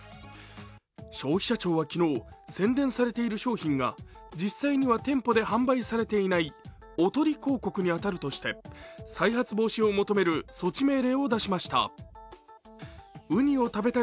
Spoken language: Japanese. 消費者庁は昨日、宣伝されていた商品が実際には店舗で販売されていないおとり広告に当たるとして再発防止を求める措置命令を出しました。